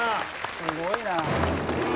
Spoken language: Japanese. すごいな。